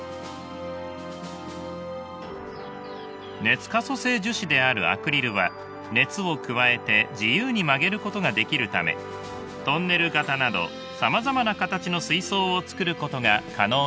熱可塑性樹脂であるアクリルは熱を加えて自由に曲げることができるためトンネル形などさまざまな形の水槽を作ることが可能になりました。